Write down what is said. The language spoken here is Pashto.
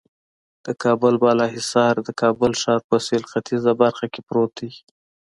د کابل بالا حصار د کابل ښار په سهیل ختیځه برخه کې پروت دی.